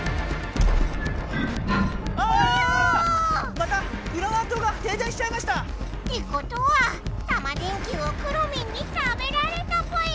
またフラワー島がてい電しちゃいました！ってことはタマ電Ｑをくろミンに食べられたぽよ！